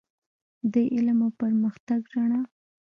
د علم او پرمختګ رڼا.